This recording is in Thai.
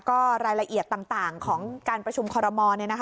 ก็รายละเอียดต่างของการประชุมคอรมณ์เนี่ยนะคะ